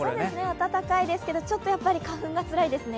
暖かいですけど、ちょっと花粉がつらいですね。